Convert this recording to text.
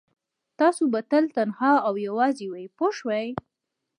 تاسو به تل تنها او یوازې وئ پوه شوې!.